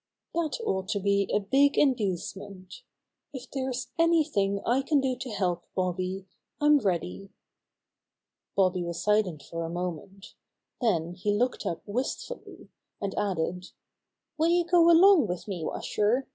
"That ought to be a big inducement. If there's anything I can do to help, Bobby, I'm ready." Bobby was silent for a moment. Then he looked up wistfully, and added : "Will you go along with me, Washer?